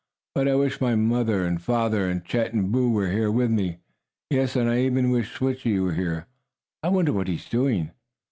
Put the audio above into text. "But I wish my father and mother and Chet and Boo were here with me. Yes, and I even wish Switchie were here. I wonder what he is doing!"